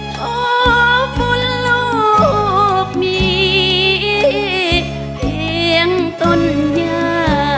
โทษฝุ่นลูกมีเพียงต้นยา